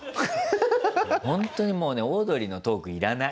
ほんとにもうねオードリーのトーク要らない。